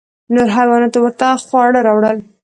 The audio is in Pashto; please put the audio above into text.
نورو حیواناتو ورته خواړه راوړل.